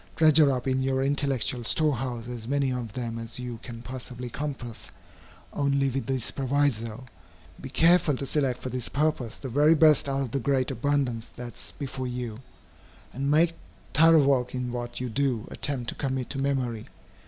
Treasure up in your intellectual storehouse as many of them as you can possibly compass, only with this proviso, be careful to select for this purpose the very best out of the great abundance that is before you, and make thorough work in what you do attempt to commit to memory.